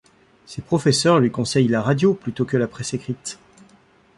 Ses professeurs lui conseillent la radio plutôt que la presse écrite.